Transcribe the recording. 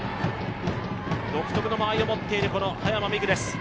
独特の間合いを持っている早間美空です。